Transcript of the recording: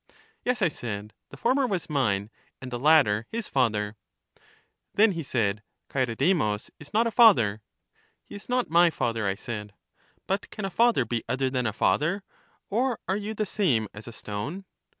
Yes, I said; the former was mine, and the latter his father. Then, he said, Chaeredemus is not a father. He is not my father, I said. But can a father be other than a father? or are you the same as a stone?